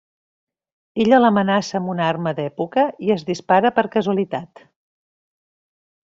Ella l'amenaça amb una arma d'època i es dispara per casualitat.